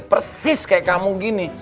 persis kayak kamu gini